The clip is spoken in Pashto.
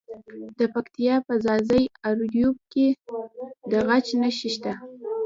د پکتیا په ځاځي اریوب کې د ګچ نښې شته.